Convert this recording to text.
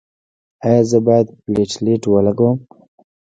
ایا زه باید پلیټلیټ ولګوم؟